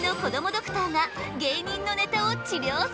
ドクターが芸人のネタを治りょうする！